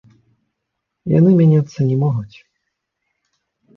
Яны мяняцца не могуць.